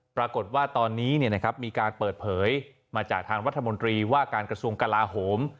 ปรากฏว่าตอนนี้มีการเปิดเผยมาจากทางรัฐมนตรีว่าการกระทรวงกลาโหม